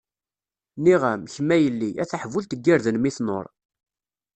Nniɣ-am, kemm a yelli, a taḥbult n yirden mi tnuṛ.